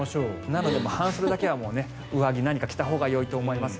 なので半袖だけは上着を何か着たほうがいいと思います。